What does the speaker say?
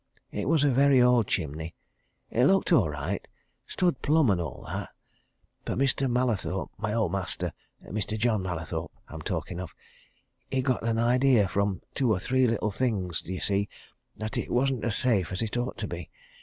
It was a very old chimney. It looked all right stood plumb, and all that. But Mr. Mallathorpe my old master, Mr. John Mallathorpe, I'm talking of he got an idea from two or three little things, d'ye see, that it wasn't as safe as it ought to be.